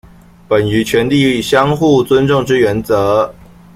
本於權力相互尊重之原則